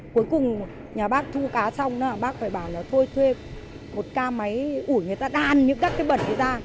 cuối cùng nhà bác thu cá xong đó bác phải bảo nó thôi thuê một ca máy ủi người ta đàn những các cái bẩn của ta